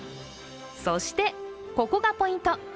そして、ここがポイント。